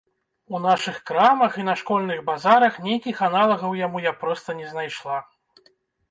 У нашых крамах і на школьных базарах нейкіх аналагаў яму я проста не знайшла.